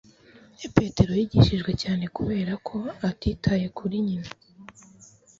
Petero yigishijwe cyane kubera ko atitaye kuri nyina